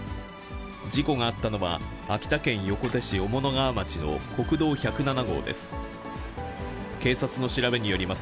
事故があったのは、秋田県横手市雄物川町の国道１０７号です。